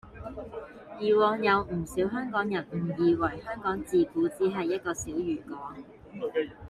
以往有唔少香港人誤以為香港自古只係一個小漁港